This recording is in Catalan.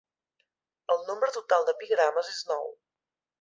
El nombre total d'epigrames és nou.